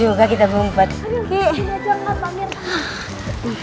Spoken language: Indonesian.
eh sekarang reyna coba cari jus